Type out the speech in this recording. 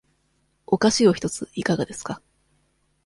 お菓子を一ついかがですか。